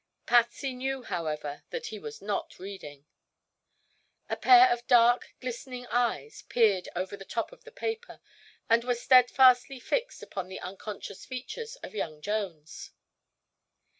Patsy knew, however, that he was not reading. A pair of dark, glistening eyes peered over the top of the paper and were steadfastly fixed upon the unconscious features of young Jones.